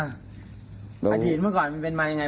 อาถินเมื่อก่อนเป็นไรไง